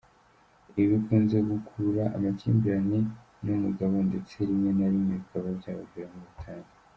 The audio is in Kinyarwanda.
Ibi bikunze gukurura amakimbirane n’umugabo, ndetse rimwe na rimwe bikaba byabaviramo ubutane.